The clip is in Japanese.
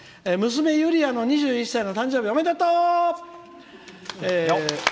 娘、ゆりやの２１歳の誕生日おめでとう！